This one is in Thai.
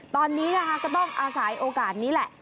ตอนนี้นะคะก็ต้องอาศัยโอกาสนี้แหละ